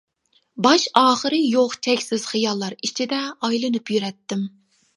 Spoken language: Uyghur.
باش-ئاخىرى يوق چەكسىز خىياللار ئىچىدە ئايلىنىپ يۈرەتتىم.